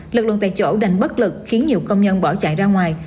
lực lượng tại chỗ đành bất lực khiến nhiều công nhân bỏ chạy ra ngoài